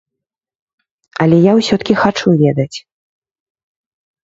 Але я ўсё-ткі хачу ведаць.